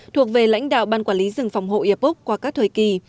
thuộc về lãnh đạo ban quản lý rừng phòng hộ iapap qua các thời kỳ